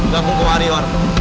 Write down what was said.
gak mau ke warior